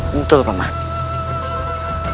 betul pak man